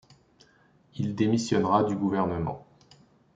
Il démissionnera du gouvernement.